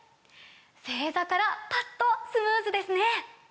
正座からパッとスムーズですね！